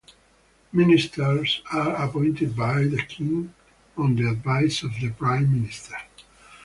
Ministers are appointed by the king on the advice of the prime minister.